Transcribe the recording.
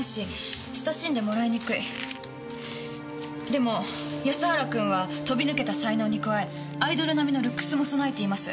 でも安原君は飛び抜けた才能に加えアイドル並みのルックスも備えています。